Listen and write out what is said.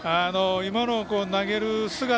今の、投げる姿。